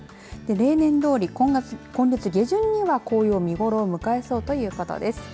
例年どおり今月下旬には紅葉見頃を迎えそうということです。